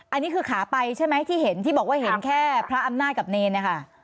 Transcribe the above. อันนี้คือขาไปใช่ไหมที่เห็นที่บอกว่าเห็นแค่พระอำนาจกับเนรนะคะ